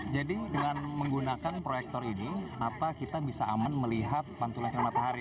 jadi dengan menggunakan proyektor ini kita bisa aman melihat pantulan matahari